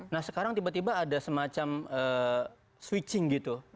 nah sekarang tiba tiba ada semacam switching gitu